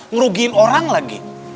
ngerugiin orang lagi